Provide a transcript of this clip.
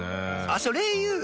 あっそれ言う！？